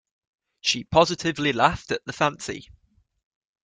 She positively laughed at the fancy.